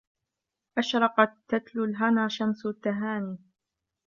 أشرقت تتلو الهنا شمس التهاني